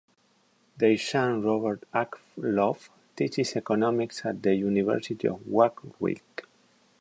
Their son, Robert Akerlof, teaches Economics at the University of Warwick.